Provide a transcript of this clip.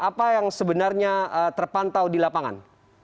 apa yang sebenarnya terpantau di lapangan